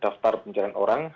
daftar pencarian orang